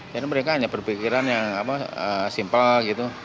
jadi mereka hanya berpikiran yang simple gitu